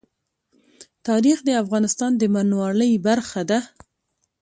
تاریخ د افغانستان د بڼوالۍ برخه ده.